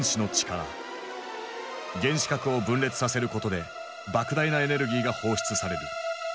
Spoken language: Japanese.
原子核を分裂させることでばく大なエネルギーが放出される。